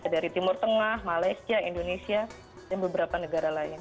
dari timur tengah malaysia indonesia dan beberapa negara lain